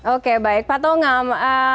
oke baik pak tongam